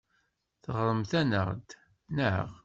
Teɣramt-aneɣ-d, naɣ?